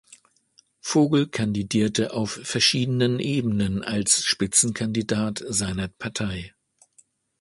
Vogel kandidierte auf verschiedenen Ebenen als Spitzenkandidat seiner Partei.